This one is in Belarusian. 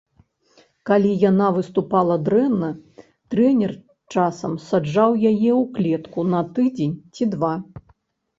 Калі яна выступала дрэнна, трэнер часам саджаў яе ў клетку на тыдзень ці два.